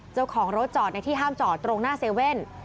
เจ้าของรถจอดในที่ห้ามจอดตรงหน้าเซเว่น